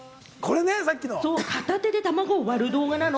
片手でたまごを割る動画なの。